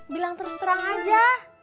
bilang terus terang aja